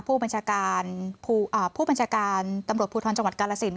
ผู้บัญชาการผู้บัญชาการตำรวจภูทรจังหวัดกาลสิน